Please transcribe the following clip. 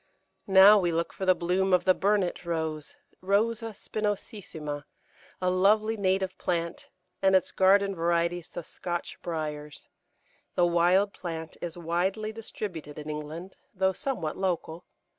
Now we look for the bloom of the Burnet Rose (Rosa spinosissima), a lovely native plant, and its garden varieties, the Scotch Briars. The wild plant is widely distributed in England, though somewhat local.